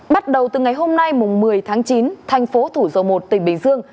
bắt đầu từ ngày hôm nay một mươi tháng chín thành phố thủ dầu một tỉnh bình dương